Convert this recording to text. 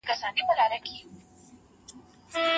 نور بیا په دې اند دي چې دا د حکومت د چارو لوستنه ده.